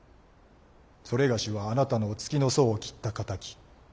それがしはあなたのお付きの僧を斬った仇。